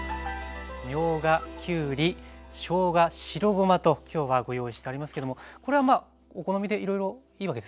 みょうがきゅうりしょうが白ごまと今日はご用意してありますけどもこれはお好みでいろいろいいわけですか？